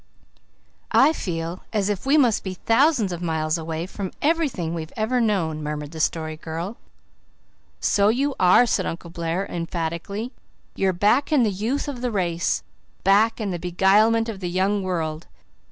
"I feel as if we must be thousands of miles away from everything we've ever known," murmured the Story Girl. "So you are!" said Uncle Blair emphatically. "You're back in the youth of the race back in the beguilement of the young world.